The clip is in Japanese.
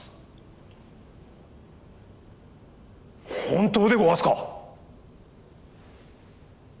本当でごわすか？